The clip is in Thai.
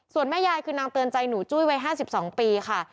ส่วนแม่ยายคือนางเตือนใจหนูจุ้ยวัย๕๒ปีค่ะ